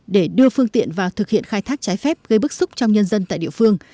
để đưa phương tiện vào thực hiện khai thác trái phép gây bức xúc trong nhân dân tại địa phương